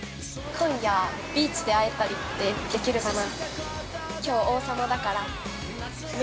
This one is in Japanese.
◆今夜、ビーチで会えたりってできるかな。